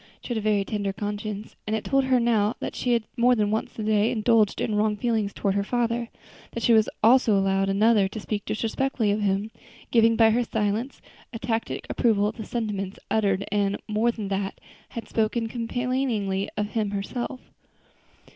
She had a very tender conscience, and it told her now that she had more than once during the day indulged in wrong feelings toward her father; that she had also allowed another to speak disrespectfully of him, giving by her silence a tacit approval of the sentiments uttered, and, more than that, had spoken complainingly of him herself.